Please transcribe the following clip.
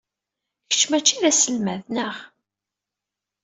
Kečč mačči d aselmad, naɣ?